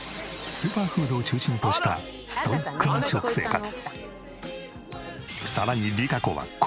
スーパーフードを中心としたストイックな食生活。